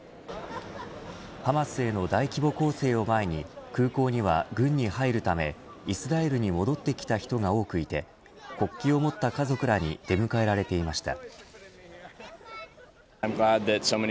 ハマスへの大規模攻勢を前に空港には軍に入るためイスラエルに戻ってきた人が多くいて国旗を持った家族らに出迎えられていました。